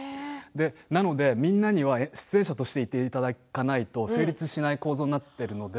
なのでみんなには出演者としていていただかないと成立しない構造になっているので。